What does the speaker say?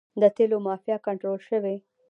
د تیلو مافیا کنټرول شوې؟